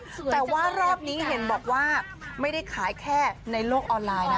แต่ว่ารอบนี้เห็นบอกว่าไม่ได้ขายแค่ในโลกออนไลน์นะ